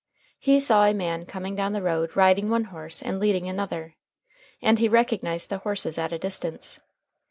He saw a man coming down the road riding one horse and leading another, and he recognized the horses at a distance.